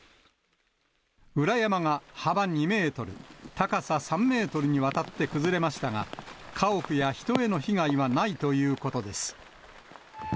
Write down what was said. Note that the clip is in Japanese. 裏山が幅２メートル、高さ３メートルにわたって崩れましたが、家屋や人への被害はないということです。